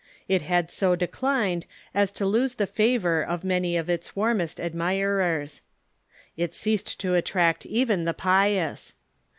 It had so declined as to lose the favor of many of its warmest admirers. It ceased to attract even the pious.